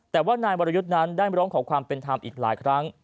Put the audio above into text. แต่ว่านายวรยุทธ์นั้นได้มาร้องขอความเป็นธรรมอีกหลายครั้ง